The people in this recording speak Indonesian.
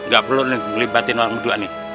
gak perlu ngelibatin orang berdua nih